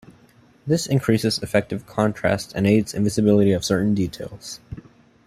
This increases effective contrast and aids in visibility of certain details.